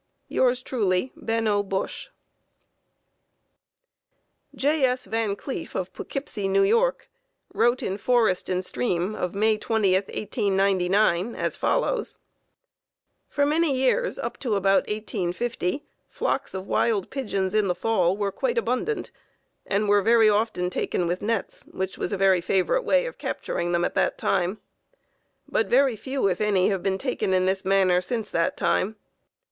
Yours truly, Ben O. Bush. J. S. Van Cleef of Poughkeepsie, N. Y., wrote in Forest and Stream of May 20, 1899, as follows: For many years up to about 1850, flocks of wild pigeons in the fall were quite abundant, and were very often taken with nets, which was a very favorite way of capturing them at that time, but very few, if any, have been taken in this manner since that time.